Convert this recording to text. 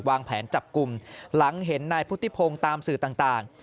วางแผนจับกลุ่มหลังเห็นนายพุทธิพงศ์ตามสื่อต่าง